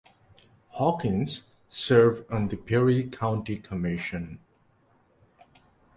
Hawkins served on the Perry County Commission.